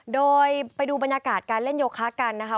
โดยไปดูบรรยากาศการเล่นโยคะกันนะคะ